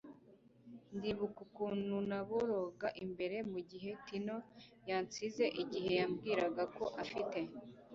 ndibuka ukuntu naboroga imbere mugihe tino yansize. igihe yambwiraga ko afite